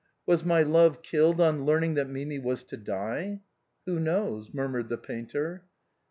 Was my love killed on learn ing that Mimi was to die ?"" Who knows ?" murmured the painter.